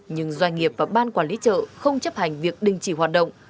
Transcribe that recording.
nhưng doanh nghiệp và ban quản lý chợ không chấp hành việc đình chỉ hoạt động